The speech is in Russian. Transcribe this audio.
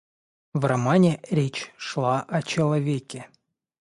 В романе речь шла о человеке